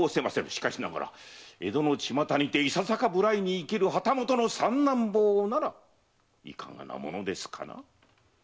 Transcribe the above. しかしながら江戸の巷にていささか無頼に生きる旗本の三男坊ならいかがなものですかな？